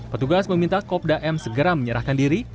petugas meminta kopda m segera menyerahkan diri